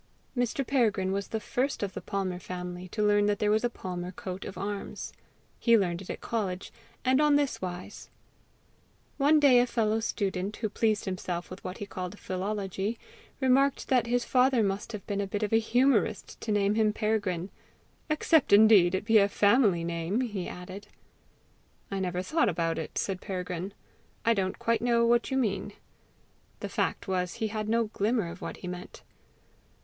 Mr. Peregrine was the first of the Palmer family to learn that there was a Palmer coat of arms. He learned it at college, and on this wise. One day a fellow student, who pleased himself with what he called philology, remarked that his father must have been a hit of a humorist to name him Peregrine: "except indeed it be a family name!" he added. "I never thought about it," said Peregrine. "I don't quite know what you mean." The fact was he had no glimmer of what he meant.